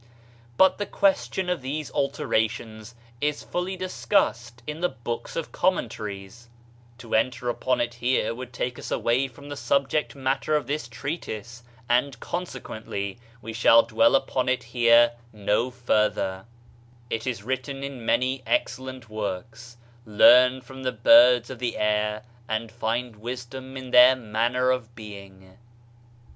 But the question of these alterations is fully discussed in the books of commentaries. To enter 'Zu'lqa'dah, Zul'hadja, Muharram, Rajab. 36 Diaiiizedb, Google OF CIVILIZATION upon it here would take us away from the subject matter of this treatise and consequently we shall dwell upon it here no further. It is written in many excellent works : "Learn from the birds of the air, and find wisdom in their manner of being."